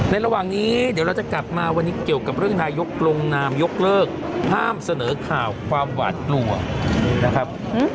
ระหว่างนี้เดี๋ยวเราจะกลับมาวันนี้เกี่ยวกับเรื่องนายกลงนามยกเลิกห้ามเสนอข่าวความหวาดกลัวนะครับ